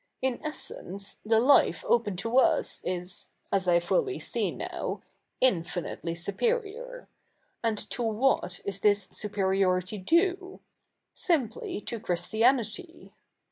In essence, the life open to us is, as I fully see now, infinitely supei'ior. And to what is this superiority due ? Simply to Christia?iity.